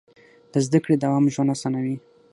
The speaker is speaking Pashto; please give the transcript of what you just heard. د زده کړې دوام ژوند اسانوي.